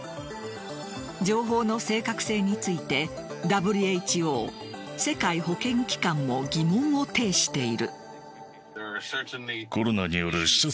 情報の正確性についてＷＨＯ＝世界保健機関も疑問を呈している。